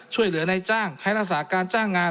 ช่วยเหลือในจ้างให้รักษาการจ้างงาน